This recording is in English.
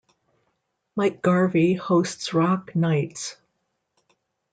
Mike Garvey hosts Rock Nights.